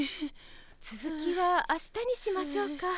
つづきは明日にしましょうか。